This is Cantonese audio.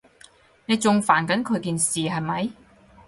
你仲煩緊佢件事，係咪？